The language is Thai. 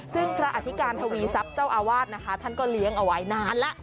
ซึ่งพระอธิการทวีทรัพย์เจ้าอาวาสนะคะท่านก็เลี้ยงเอาไว้นานแล้ว